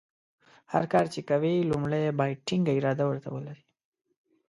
هر کار چې کوې لومړۍ باید ټینګه اراده ورته ولرې.